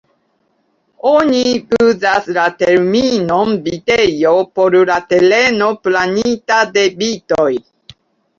Oni uzas la terminon vitejo por la tereno plantita de vitoj.